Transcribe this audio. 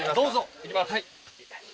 いきます。